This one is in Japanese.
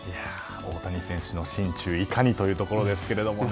大谷選手の心中いかにというところですけどもね。